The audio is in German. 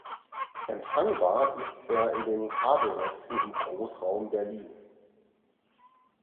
Empfangbar ist er in den Kabelnetzen im Großraum Berlin.